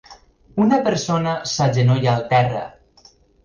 Una persona s'agenolla al terra.